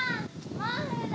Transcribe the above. モフだ。